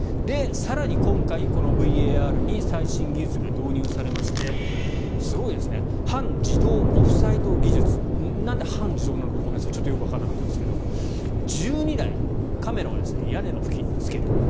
更に今回、ＶＡＲに最新技術が導入されましてすごいですね半自動オフサイド技術なんで半自動なのかちょっとよくわからなかったんですが１２台カメラを屋根の付近につける。